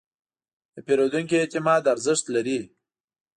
د پیرودونکي اعتماد ارزښت لري.